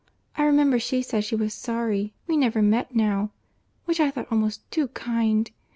—I remember she said she was sorry we never met now; which I thought almost too kind!